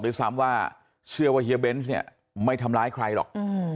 ด้วยซ้ำว่าเชื่อว่าเฮียเบนส์เนี่ยไม่ทำร้ายใครหรอก